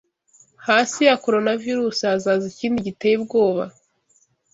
Hasi ya coronavirus hazaza ikindi giteye ubwoba